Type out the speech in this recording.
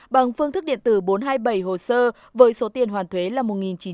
bằng phương thức điện tử bốn trăm hai mươi bảy hồ sơ với số tiền hoàn thuế là một chín trăm sáu mươi sáu sáu tỷ đồng